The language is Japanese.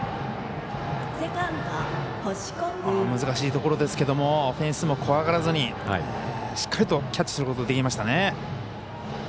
難しいところですけれどもフェンスも怖がらずにしっかりとキャッチすることができましたね。